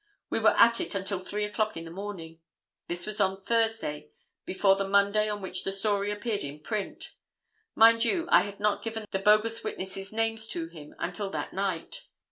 We were at it until three o'clock in the morning. This was on Thursday before the Monday on which the story appeared in print. Mind you, I had not given the bogus witnesses names to him until that night.